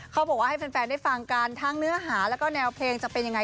เขาบอกว่าให้แฟนได้ฟังกันทั้งเนื้อหาแล้วก็แนวเพลงจะเป็นยังไง